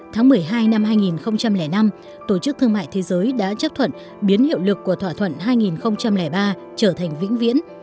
tháng một mươi hai năm hai nghìn năm tổ chức thương mại thế giới đã chấp thuận biến hiệu lực của thỏa thuận hai nghìn ba trở thành vĩnh viễn